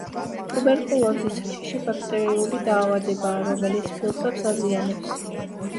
ტუბერკულოზი საშიში ბაქტერიული დაავადებაა, რომელიც ფილტვებს აზიანებს.